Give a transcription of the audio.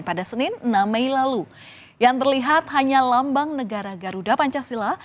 pada senin enam mei lalu yang terlihat hanya lambang negara garuda pancasila